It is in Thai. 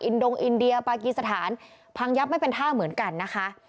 ดงอินเดียปากีสถานพังยับไม่เป็นท่าเหมือนกันนะคะ